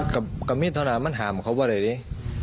กับคุณพิมทรามันห่ำเขาว่าไง